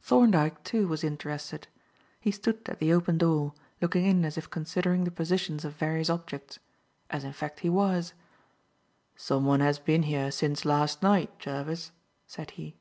Thorndyke, too, was interested. He stood at the open door, looking in as if considering the positions of various objects. As in fact he was. "Someone has been here since last night, Jervis," said he.